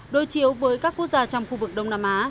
đối chiếu với các quốc gia trong khu vực đông nam á